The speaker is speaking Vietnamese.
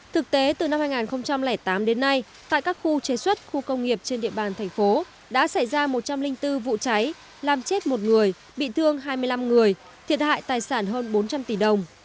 thực tế từ năm hai nghìn tám đến nay tại các khu chế xuất khu công nghiệp trên địa bàn thành phố đã xảy ra một trăm linh bốn vụ cháy làm chết một người bị thương hai mươi năm người thiệt hại tài sản hơn bốn trăm linh tỷ đồng